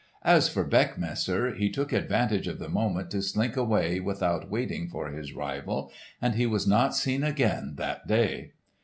As for Beckmesser he took advantage of the moment to slink away without waiting for his rival, and he was not seen again that day!